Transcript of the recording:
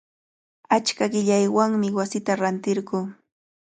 Achka qillaywanmi wasita rantirquu.